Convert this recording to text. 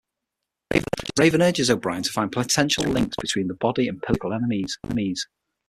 Raven urges O'Brien to find potential links between the body and Pilager's political enemies.